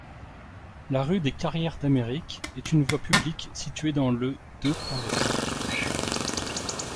La rue des Carrières-d'Amérique est une voie publique située dans le de Paris.